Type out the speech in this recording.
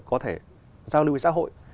có thể giao lưu với xã hội